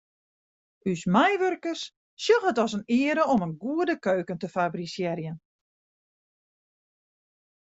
Us meiwurkers sjogge it as in eare om in goede keuken te fabrisearjen.